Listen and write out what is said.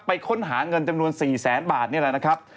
ค้นหาเงินจำนวน๔แสนบาทนี่แหละนะครับ